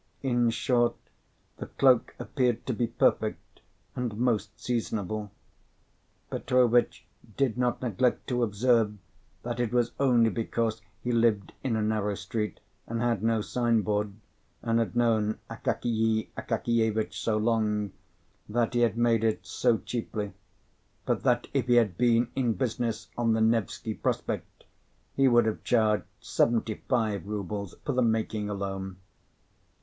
In short, the cloak appeared to be perfect, and most seasonable. Petrovitch did not neglect to observe that it was only because he lived in a narrow street, and had no signboard, and had known Akakiy Akakievitch so long, that he had made it so cheaply; but that if he had been in business on the Nevsky Prospect, he would have charged seventy five rubles for the making alone.